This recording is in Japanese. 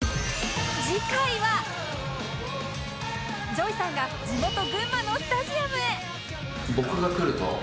ＪＯＹ さんが地元群馬のスタジアムへ